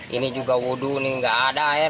ini juga wudhu ini nggak ada air